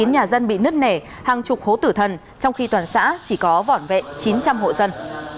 một trăm chín mươi chín nhà dân bị nứt nẻ hàng chục hố tử thần trong khi toàn xã chỉ có vỏn vẹt chín trăm linh hộ dân